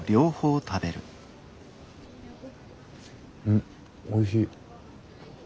うんおいしい。